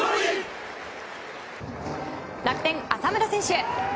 楽天の浅村選手。